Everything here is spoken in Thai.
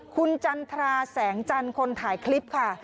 คุณจันทราแสงจันทร์คนถ่ายคลิปค่ะ